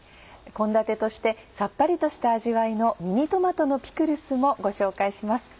献立としてさっぱりとした味わいの「ミニトマトのピクルス」もご紹介します。